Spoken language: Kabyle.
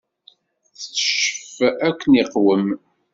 Tetteccef akken iqwem.